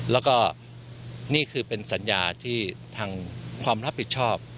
แล้วก็นี่คือเป็นสัญญาที่ทางความรับผิดชอบ